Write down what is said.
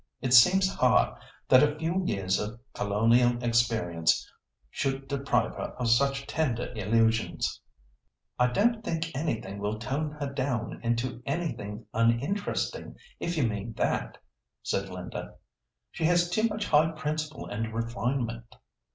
It seems hard that a few years of colonial experience should deprive her of such tender illusions." "I don't think anything will tone her down into anything uninteresting, if you mean that," said Linda; "she has too much high principle and refinement."